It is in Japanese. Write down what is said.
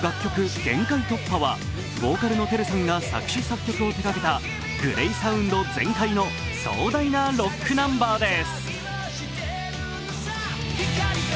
「限界突破」はボーカルのＴＥＲＵさんが作詞・作曲を手がけたＧＬＡＹサウンド全開の壮大なロックナンバーです。